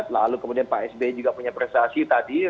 lalu kemudian pak sby juga punya prestasi tadi